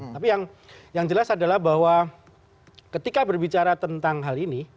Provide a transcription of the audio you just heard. tapi yang jelas adalah bahwa ketika berbicara tentang hal ini